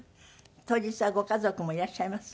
当日はご家族もいらっしゃいます？